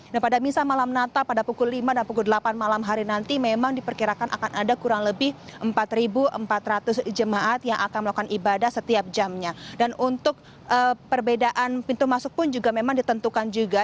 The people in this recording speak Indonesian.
nah pada misa malam natal pada pukul lima dan pukul delapan malam hari nanti memang diperkirakan akan ada kurang lebih empat empat ratus jemaat yang akan melakukan ibadah setiap jamnya dan untuk perbedaan pintu masuk pun juga memang ditentukan juga